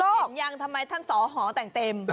เห็นยังทำไมท่านสอหอแต่งเต็ม